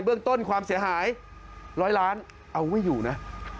เรื่องต้นความเสียหาย๑๐๐ล้านเอาไม่อยู่นะ